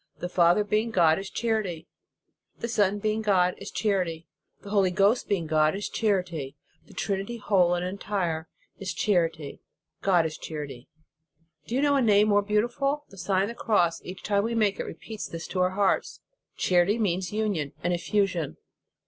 The Father being God, is char ity. The Son being God, is charity. The Holy Ghost being God, is charity. The Trinity whole and entire, is charity. God is charity! Do you .know a name more beauti ful ? And the Sign of the Cross, each time that we make it, repeats this to our hearts. Charity means union and effusion.